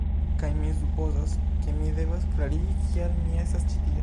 Kaj mi supozas, ke mi devas klarigi kial mi estas ĉi tie